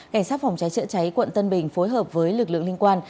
cảnh sát phòng cháy chữa cháy quận tân bình phối hợp với lực lượng liên quan